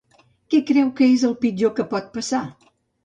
Què creu que és el pitjor que pot passar?